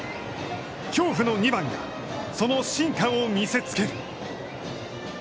恐怖の２番が、その真価を見せつける。